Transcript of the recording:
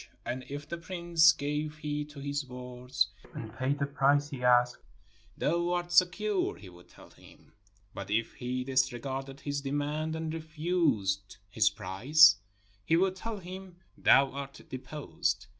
And if the prince gave heed to his words and paid the price he asked, "Thou art secure," he would tell him; but if he disre garded his demand and refused his price, he would tell him, "Thou art deposed."